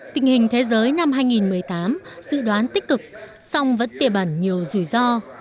tình hình thế giới năm hai nghìn một mươi tám dự đoán tích cực song vẫn tiềm ẩn nhiều rủi ro